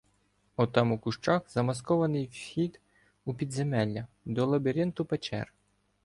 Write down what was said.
— Отам, у кущах, — замаскований вхіду підземелля, до лабіринту печер.